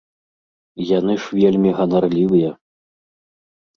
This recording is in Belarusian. Яны ж вельмі ганарлівыя.